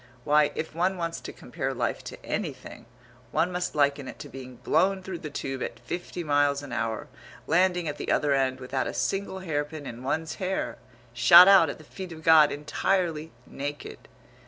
Why, if one wants to compare life to anything, one must liken it to being blown through the Tube at fifty miles an hour landing at the other end without a single hairpin in one's hair! Shot out at the feet of God entirely naked!